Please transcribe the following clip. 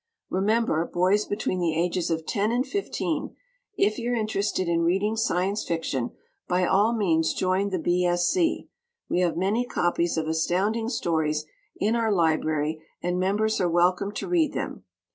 Remember, boys between the ages of 10 and 15, if you're interested in reading Science Fiction, by all means join the B. S. C. We have many copies of Astounding Stories in our library and members are welcome to read them.